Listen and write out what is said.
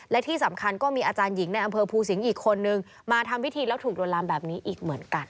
และที่สำคัญก็มีอาจารย์หญิงในอำเภอภูสิงห์อีกคนนึงมาทำพิธีแล้วถูกลวนลามแบบนี้อีกเหมือนกัน